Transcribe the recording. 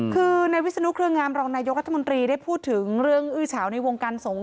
คือในวิศนุเครืองามรองนายกรัฐมนตรีได้พูดถึงเรื่องอื้อเฉาในวงการสงฆ